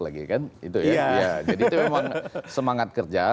jadi itu memang semangat kerja